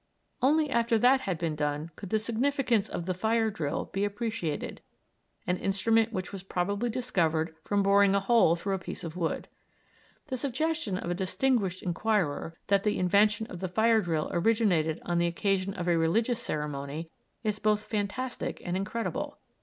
Only after that had been done could the significance of the fire drill be appreciated, an instrument which was probably discovered from boring a hole through a piece of wood. The suggestion of a distinguished inquirer that the invention of the fire drill originated on the occasion of a religious ceremony is both fantastic and incredible.